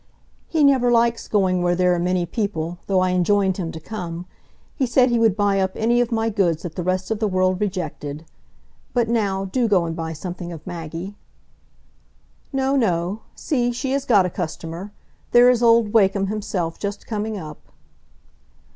"He never likes going where there are many people, though I enjoined him to come. He said he would buy up any of my goods that the rest of the world rejected. But now, do go and buy something of Maggie." "No, no; see, she has got a customer; there is old Wakem himself just coming up."